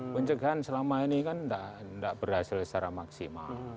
pencegahan selama ini kan tidak berhasil secara maksimal